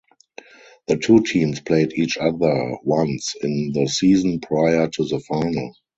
The two teams played each other once in the season prior to the final.